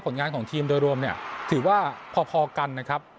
ผลงานของทีมโดยรวมถือว่าพอกันนะครับ